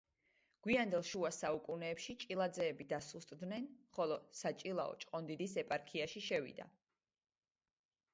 გვიანდელ შუა საუკუნეებში ჭილაძეები დასუსტდნენ, ხოლო საჭილაო ჭყონდიდის ეპარქიაში შევიდა.